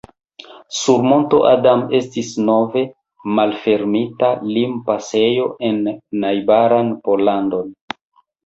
Sur monto Adam estis nove malfermita limpasejo en najbaran Pollandon.